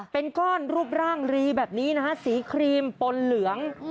เป็นก้อนรูปร่างรีแบบนี้นะฮะสีครีมปนเหลือง